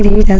thì ta sẽ